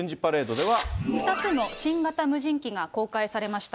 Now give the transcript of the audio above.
２つの新型無人機が公開されました。